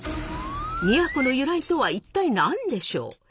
宮古の由来とは一体何でしょう？